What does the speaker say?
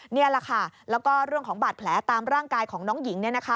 นี่แหละค่ะแล้วก็เรื่องของบาดแผลตามร่างกายของน้องหญิง